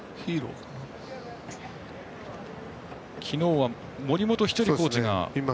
昨日は森本稀哲コーチが。